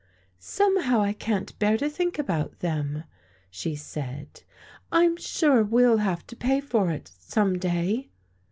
"Somehow, I can't bear to think about them," she said. "I'm sure we'll have to pay for it, some day."